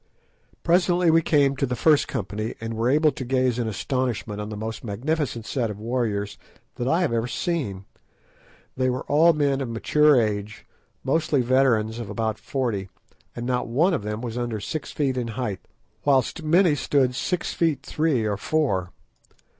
Presently we came to the first company, and were able to gaze in astonishment on the most magnificent set of warriors that I have ever seen. They were all men of mature age, mostly veterans of about forty, and not one of them was under six feet in height, whilst many stood six feet three or four.